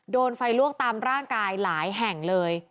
โดนไฟลวกตามร่างกายหลายแห่งเลย